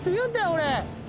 俺。